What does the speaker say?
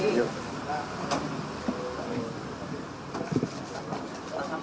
belum ada yang berkata itu